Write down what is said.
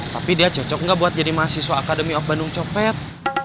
tapi dia cocok gak buat jadi mahasiswa akademi of bandung copet